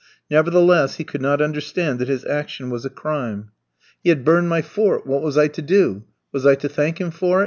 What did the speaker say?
Nevertheless, he could not understand that his action was a crime. "He had burned my fort; what was I to do? Was I to thank him for it?"